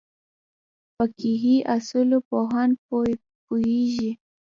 فقهې اصولو پوهان پوهېږي.